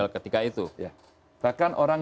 ketika itu bahkan orang